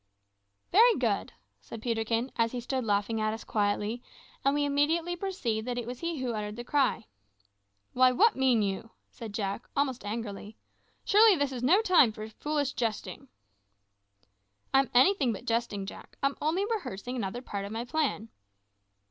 "Very good," said Peterkin, as he stood laughing at us quietly, and we immediately perceived that it was he who uttered the cry. "Why, what mean you?" said Jack, almost angrily. "Surely this is no time for foolish jesting." "I am anything but jesting, Jack. I'm only rehearsing another part of my plan."